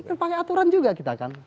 kan pakai aturan juga kita kan